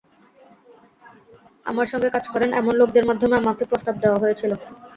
আমার সঙ্গে কাজ করেন এমন লোকদের মাধ্যমে আমাকে প্রস্তাব দেওয়া হয়েছিল।